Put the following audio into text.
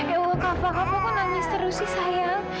ya kava kava kok nangis terus sih sayang